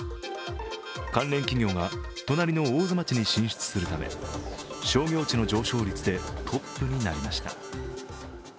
関連企業が隣の大津町に進出するため商業地の上昇率でトップになりました。